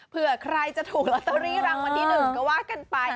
เผื่อใครจะถูกลอตเตอรี่รางวัลที่๑ก็ว่ากันไป